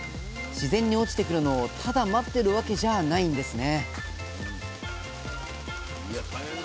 自然に落ちてくるのをただ待ってるわけじゃないんですね